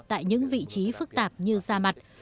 tại những vị trí phức tạp như da mặt